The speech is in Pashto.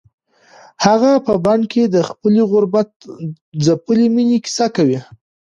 هغه په بن کې د خپلې غربت ځپلې مېنې کیسه کوي.